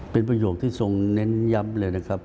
เป็นประโยคที่ทรงเน้นย้ำเลยนะครับ